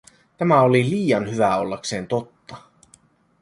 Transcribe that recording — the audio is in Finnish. Tämä oli liian hyvää ollakseen totta.